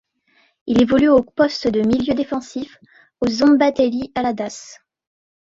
Il évolue au poste de milieu défensif au Szombathelyi Haladás.